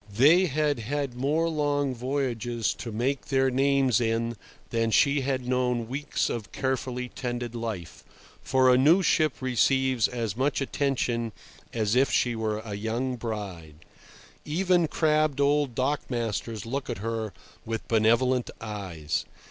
They had had more long voyages to make their names in than she had known weeks of carefully tended life, for a new ship receives as much attention as if she were a young bride. Even crabbed old dock masters look at her with benevolent eyes.